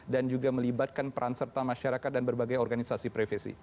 dan juga melibatkan peran serta masyarakat dan berbagai organisasi privasi